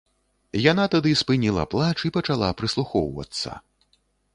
Яна тады спыніла плач і пачала прыслухоўвацца.